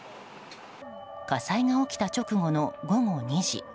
火災が起きた直後の午後２時。